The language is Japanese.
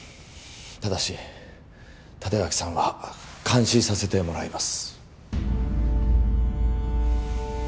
ただし立脇さんは監視させてもらいます